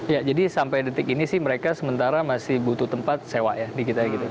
ya jadi sampai detik ini sih mereka sementara masih butuh tempat sewa ya